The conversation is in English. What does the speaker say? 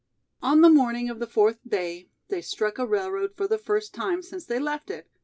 On the morning of the fourth day they struck a railroad for the first time since they left it.